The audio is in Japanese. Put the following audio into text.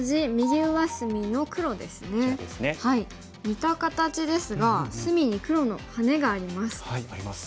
似た形ですが隅に黒のハネがあります。